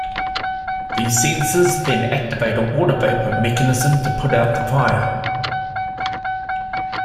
These sensors then activate a water vapor mechanism to put out the fire.